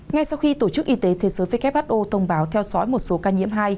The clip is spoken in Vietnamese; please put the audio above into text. ngay sau khi tổ chức y tế thế giới who thông báo theo dõi một số ca nhiễm hai